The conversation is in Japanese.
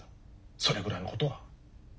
それぐらいのことは。